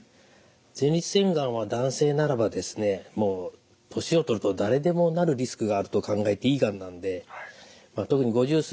前立腺がんは男性ならば年を取ると誰でもなるリスクがあると考えていいがんなんで特に５０過ぎた方はですね